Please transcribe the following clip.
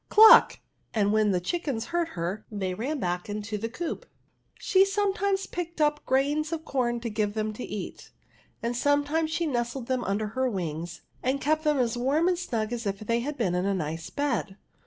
cluck ! and when the chickens heard her, they ran back into ARTXCLESr. 45 the coop. She sometimes picked up grains of com to give them to eat ; and sometimes she nestled them under her wings, and kept them as warm and snug as if they had been in a nice bed.